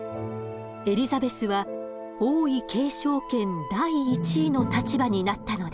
エリザベスは王位継承権第１位の立場になったのです。